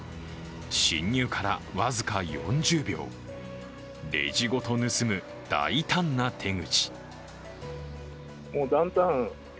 侵入から僅か４０秒、レジごと盗む大胆な手口。